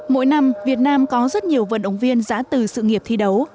mỗi năm việt nam có rất nhiều vận động viên giã từ sự nghiệp thi đấu